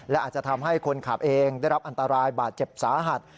และอาจจะทำให้คนขับเองได้รับอันตรายบาดเจ็บสาหัส